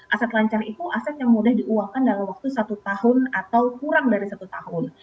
aset lancar itu aset yang mudah diuangkan dalam waktu satu tahun atau kurang dari satu tahun